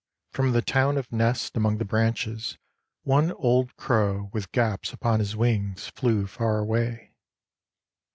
From the town Of nests among the branches one old crow With gaps upon his wings flew far away.